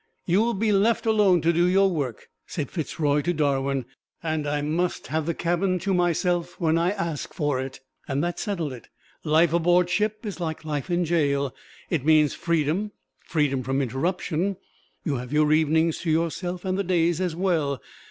"You will be left alone to do your work," said Fitz Roy to Darwin, "and I must have the cabin to myself when I ask for it." And that settled it. Life aboard ship is like life in jail. It means freedom, freedom from interruption you have your evenings to yourself, and the days as well.